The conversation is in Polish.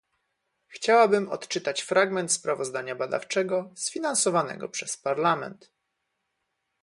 Chciałabym odczytać fragment sprawozdania badawczego, sfinansowanego przez Parlament